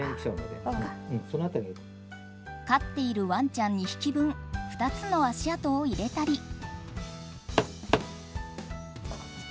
飼っているワンちゃん２匹分２つの足跡を入れたり。